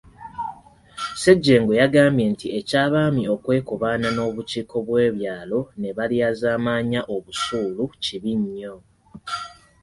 Ssejjengo yagambye nti eky'Abaami okwekobaana n'obukiiko bw'ebyalo ne balyazaamaanya obusuulu kibi nnyo.